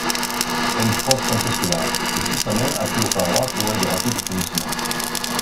Pencroff sentait cela, et sous sa main, appuyée aux parois, couraient de rapides frémissements